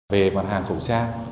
về mặt hàng khẩu trang